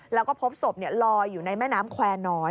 แล้วก็พบศพลอยอยู่ในแม่น้ำแควร์น้อย